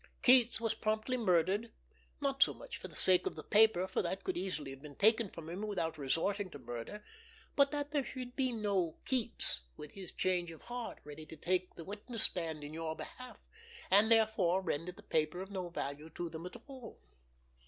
Keats was promptly murdered—not so much for the sake of the paper, for that could easily have been taken from him without resorting to murder, but that there should be no Keats, with his change of heart, ready to take the witness stand in your behalf, and therefore render the paper of no value to them at all.